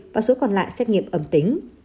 và số còn lại xét nghiệm ẩm tính